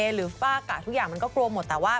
หรือฝ้าอากาศทุกอย่างมันก็กลัวหมดแต่ว่า